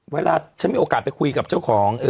เวลาฉันมีโอกาสไปคุยกับเจ้าของ